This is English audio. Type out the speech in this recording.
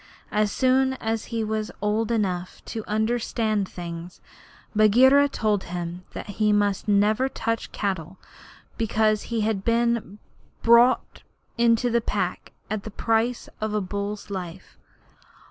As soon as he was old enough to understand things, Bagheera told him that he must never touch cattle because he had been bought into the Pack at the price of a bull's life.